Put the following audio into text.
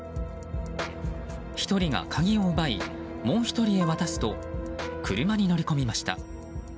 １人が鍵を奪いもう１人へ渡すと車に乗り込みました。